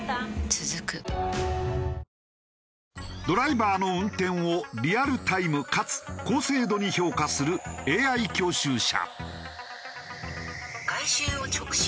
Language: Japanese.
続くドライバーの運転をリアルタイムかつ高精度に評価するＡＩ教習車。